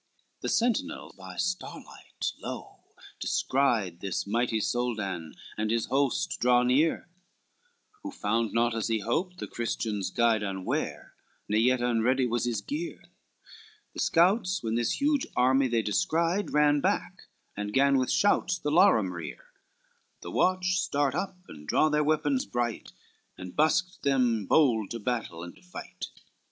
XX The sentinel by starlight, lo, descried This mighty Soldan and his host draw near, Who found not as he hoped the Christians' guide Unware, ne yet unready was his gear: The scouts, when this huge army they descried, Ran back, and gan with shouts the 'larum rear; The watch stert up and drew their weapons bright, And busked them bold to battle and to fight.